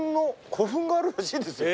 古墳があるらしいですよ。